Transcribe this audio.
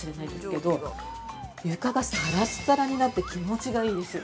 けど床がサラッサラになって気持ちがいいです。